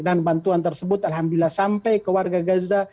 dan bantuan tersebut alhamdulillah sampai ke warga gaza